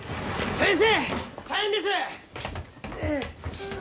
先生